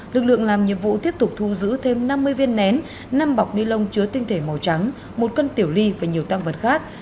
lực lượng làm nhiệm vụ tiếp tục thu giữ thêm năm mươi viên nén năm bọc ni lông chứa tinh thể màu trắng một cân tiểu ly và nhiều tăng vật khác